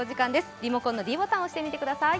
リモコンのｄボタンを押してみてください。